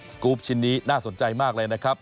กรูปชิ้นนี้น่าสนใจมากเลยนะครับ